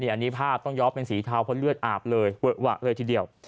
อันนี้ภาพต้องย้อมเป็นสีเทาเพราะเลือดอาบเลยเวอะหวะเลยทีเดียว